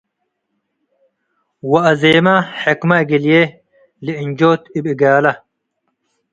ወአዜማ ሕከመ እግልዬ ለእንጆት እብ እጋለ።